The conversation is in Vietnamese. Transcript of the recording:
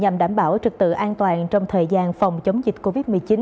nhằm đảm bảo trực tự an toàn trong thời gian phòng chống dịch covid một mươi chín